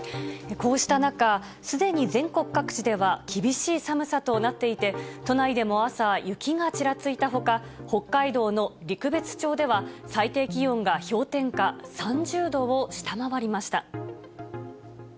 こうした中、すでに全国各地では厳しい寒さとなっていて、都内でも朝、雪がちらついたほか、北海道の陸別町では最低気温が氷点下３０度を下回りました。